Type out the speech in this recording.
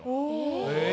へえ。